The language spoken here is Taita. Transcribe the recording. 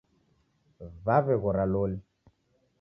W'aweghora loli.